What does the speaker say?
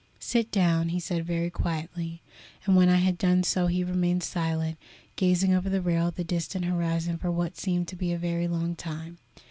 "Sit down," he said very quietly, and when I had done so he remained silent, gazing over the rail at the distant horizon for what seemed to me a very long time.